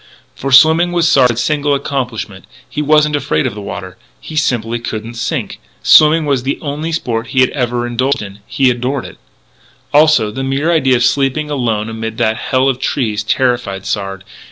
For swimming was Sard's single accomplishment. He wasn't afraid of the water; he simply couldn't sink. Swimming was the only sport he ever had indulged in. He adored it. Also, the mere idea of sleeping alone amid that hell of trees terrified Sard.